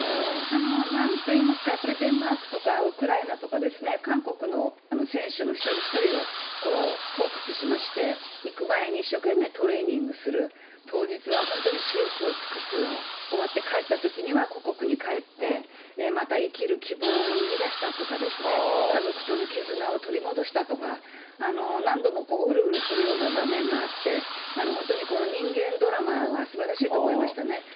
なんといいますか、やっぱりデンマークとかウクライナとかですね、韓国の選手の一人一人をフォーカスしまして、行く前に一生懸命トレーニングする、当日は本当に死力を尽くす、終わって帰ったときにはここくに帰ってまた生きる希望を見いだしたとかですね、家族との絆を取り戻したとか、何度もうるうるするような場面があって、本当にこの人間ドラマがすばらしいと思いましたね。